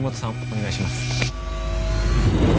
お願いします